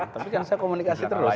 tapi jangan saya komunikasi terus